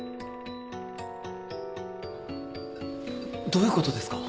どういうことですか？